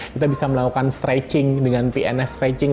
kita bisa melakukan stretching dengan pnf stretching